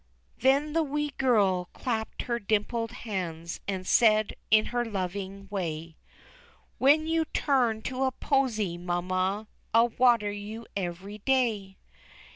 Then the wee girl clapped her dimpled hands, and said in her loving way, "When you turn to a posy, mamma, I'll water you every day."